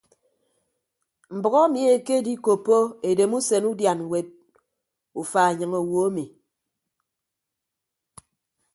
Mbʌk emi ekedikoppo edemusen udian ñwet ufa enyịñ owo emi.